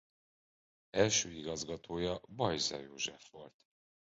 Első igazgatója Bajza József volt.